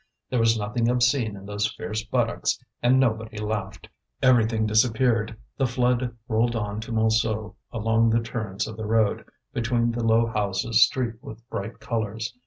There was nothing obscene in those fierce buttocks, and nobody laughed. Everything disappeared: the flood rolled on to Montsou along the turns of the road, between the low houses streaked with bright colours.